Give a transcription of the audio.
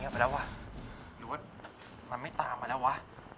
หรหรือว่ามันไม่ตามมาแล้วหรอ